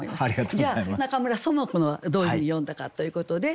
じゃあ中村苑子はどういうふうに詠んだかということで。